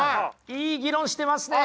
いい議論してますね！